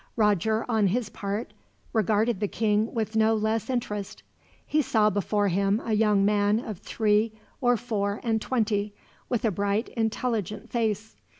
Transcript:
Roger, on his part, regarded the king with no less interest. He saw before him a young man of three or four and twenty, with a bright intelligent face.